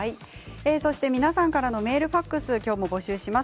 皆さんからのメールファックス、今日も募集します。